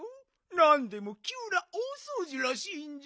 なんでもきゅうな大そうじらしいんじゃ。